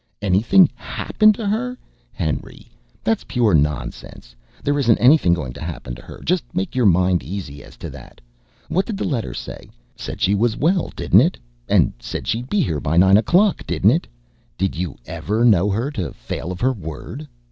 "Anything HAPPENED to her? Henry, that's pure nonsense. There isn't anything going to happen to her; just make your mind easy as to that. What did the letter say? Said she was well, didn't it? And said she'd be here by nine o'clock, didn't it? Did you ever know her to fail of her word?